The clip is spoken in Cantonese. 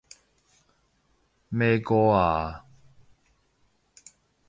咩歌啊？